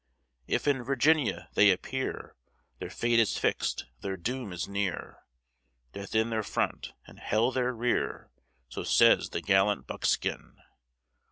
If in Virginia they appear, Their fate is fix'd, their doom is near, Death in their front, and hell their rear; So says the gallant buckskin.